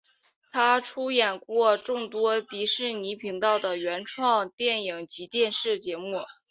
他出演过众多迪士尼频道的原创电影及电视节目。